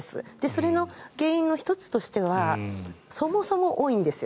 それの原因の１つとしてはそもそも多いんですよ。